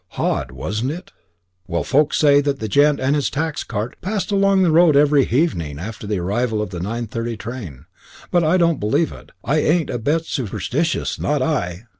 Hodd, wasn't it? Well, folks say that the gent and his tax cart pass along the road every hevening after the arrival of the 9.30 train; but I don't believe it; I ain't a bit superstitious not I!"